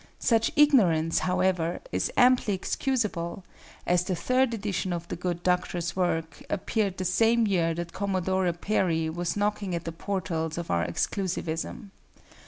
Such ignorance, however, is amply excusable, as the third edition of the good Doctor's work appeared the same year that Commodore Perry was knocking at the portals of our exclusivism.